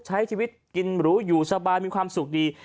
ใช้ชีวิตกินหรูอยู่สบายมีความสุขดี